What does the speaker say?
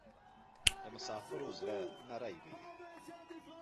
د مسافرو زړه نری وی